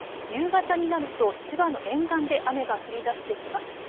夕方になると千葉の沿岸で雨が降りだしてきます。